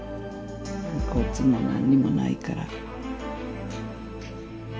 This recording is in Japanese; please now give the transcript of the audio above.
遺骨も何にもないから。